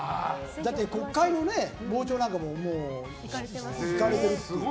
だって、国会の傍聴なんかも行かれてるという。